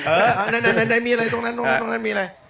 เออไหนมีอะไรตรงนั้น